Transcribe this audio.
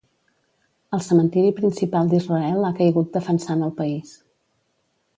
El cementiri principal d'Israel ha caigut defensant el país.